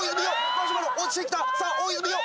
マシュマロ落ちてきたさあ大泉洋